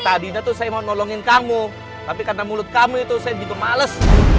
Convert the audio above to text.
tadi itu saya mau nolongin kamu tapi karena mulut kamu itu saya gitu males